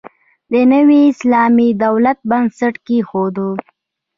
د نوي اسلامي دولت بنسټ کېښود.